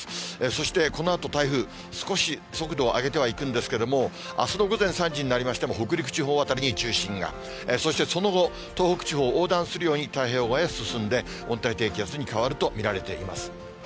そしてこのあと台風、少し速度を上げてはいくんですけれども、あすの午前３時になりましても、北陸地方辺りに中心が、そしてその後、東北地方を横断するように太平洋側へ進んで、温帯低気圧に変わると見られています。